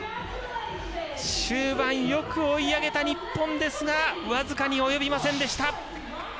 終盤、よく追い上げた日本ですが僅かに及びませんでした。